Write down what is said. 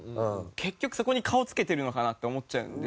結局そこに顔つけてるのかなって思っちゃうので。